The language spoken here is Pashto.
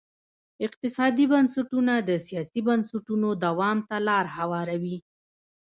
اقتصادي بنسټونه د سیاسي بنسټونو دوام ته لار هواروي.